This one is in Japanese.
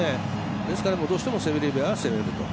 ですからどうしてもセルビアは攻める。